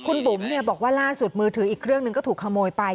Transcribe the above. คุณบุ๋มบอกว่าล่าสุดมือถืออีกเครื่องหนึ่งก็ถูกขโมยไป